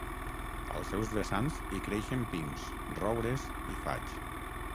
Als seus vessants hi creixen pins, roures i faigs.